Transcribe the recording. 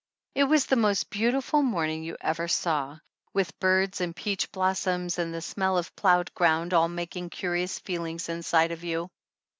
It was the most beautiful morning you ever saw, with birds and peach blossoms and the smell of plowed ground all making curious feel ings inside of you.